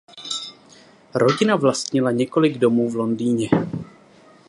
Rodina vlastnila několik domů v Londýně.